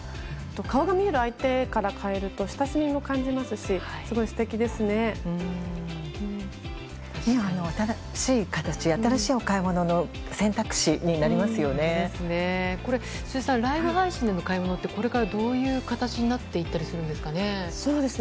顔が見える相手から買えると親しみも感じますし新しいお買い物のこれ、辻さんライブ配信でのお買い物ってどういう形になっていったりするんですかね。